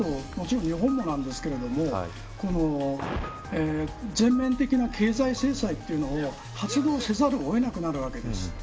もちろん日本もなんですけど全面的な経済制裁というのを発動せざるを得なくなるわけです。